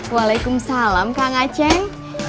waalaikumsalam kang aceng